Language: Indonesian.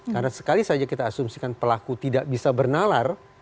karena sekali saja kita asumsikan pelaku tidak bisa bernalar